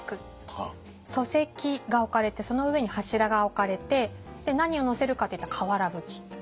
礎石が置かれてその上に柱が置かれて何を載せるかっていったら瓦葺き。